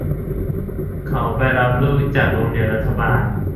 พวกเขาไปรับลูกจากโรงเรียนรัฐบาล